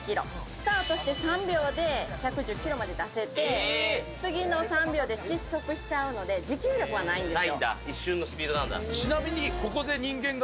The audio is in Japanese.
スタートして３秒で１１０キロ出して、次の３秒で失速しちゃうので持久力はないんですよ。